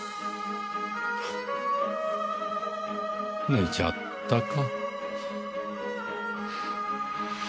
寝ちゃったか。